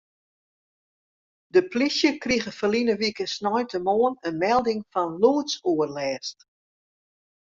De plysje krige ferline wike sneintemoarn in melding fan lûdsoerlêst.